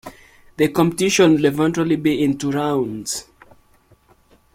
The competition would eventually be in two rounds.